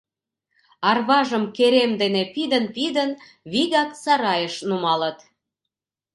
Арважым керем дене пидын-пидын вигак сарайыш нумалыт.